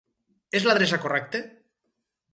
És l'adreça correcte?